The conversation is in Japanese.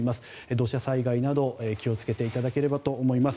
土砂災害などに気を付けていただければと思います。